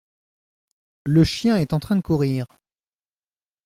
Le chien est en train de courir.